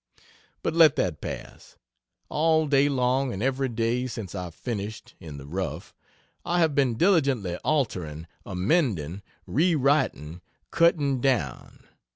But let that pass. All day long, and every day, since I finished (in the rough) I have been diligently altering, amending, re writing, cutting down.